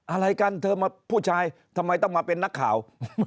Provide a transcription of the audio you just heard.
อะไรกันเธอมาผู้ชายทำไมต้องมาเป็นนักข่าว